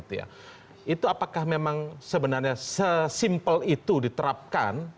itu apakah memang sebenarnya sesimpel itu diterapkan